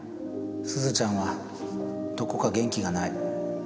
すずちゃんはどこか元気がない。